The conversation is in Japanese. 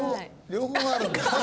両方あるんだよね。